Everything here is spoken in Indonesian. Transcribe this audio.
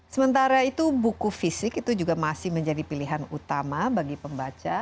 sementara itu buku fisik itu juga masih menjadi pilihan utama bagi pembaca